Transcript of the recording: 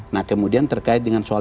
nah kemudian terkait dengan soal